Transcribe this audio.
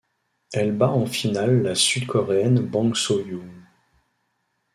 Elle bat en finale la sud-coréenne Bang Soo-hyun.